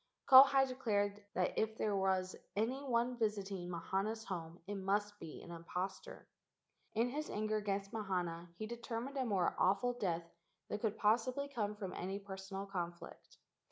Kauhi declared that if there was any one visit¬ ing Mahana's home it must be an impostor. In his anger against Mahana he determined a more awful death than could possibly come from any personal conflict.